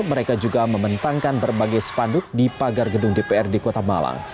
mereka juga membentangkan berbagai spanduk di pagar gedung dprd kota malang